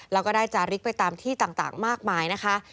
แล้วก็ได้จาริกไปตามที่ต่างมากมายนะคะ